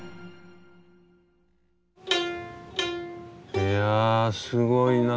いやすごいなこれ。